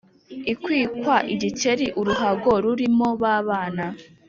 ikwika igikeri uruhago rurimo ba bana,